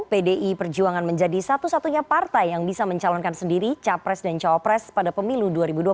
pdi perjuangan menjadi satu satunya partai yang bisa mencalonkan sendiri capres dan cawapres pada pemilu dua ribu dua puluh